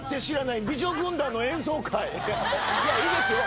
いやいいですよ